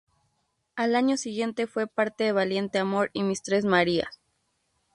Al año siguiente fue parte de "Valiente amor" y "Mis tres Marías".